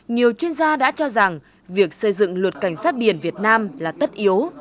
nhiều chuyên gia đã cho rằng việc xây dựng luật cảnh sát biển việt nam là tất yếu